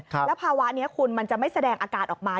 แล้วภาวะนี้คุณมันจะไม่แสดงอาการออกมา